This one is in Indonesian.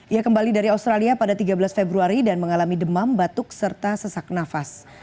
ia kembali dari australia pada tiga belas februari dan mengalami demam batuk serta sesak nafas